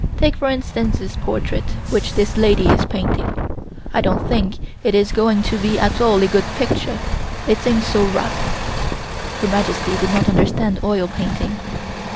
Take for instance this portrait which this lady is painting. I don't think it is going to be at all a good picture, it seems so rough. (Her Majesty did not understand oil painting).